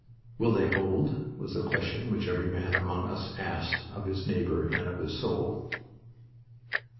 "Will they hold?" was the question which every man among us asked of his neighbor and of his soul.